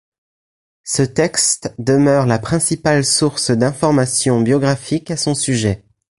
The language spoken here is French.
Ce texte demeure la principale source d'information biographique à son sujet.